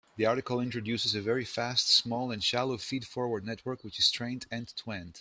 The article introduces a very fast, small, and shallow feed-forward network which is trained end-to-end.